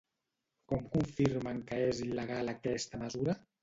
Com confirmen que és il·legal aquesta mesura?